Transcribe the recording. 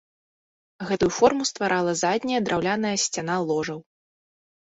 Гэтую форму стварала задняя драўляная сцяна ложаў.